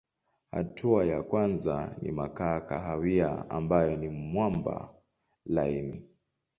Hatua ya kwanza ni makaa kahawia ambayo ni mwamba laini.